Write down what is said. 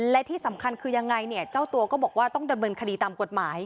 และที่สำคัญคือยังไงเนี่ยเจ้าตัวก็บอกว่าต้องดำเนินคดีตามกฎหมาย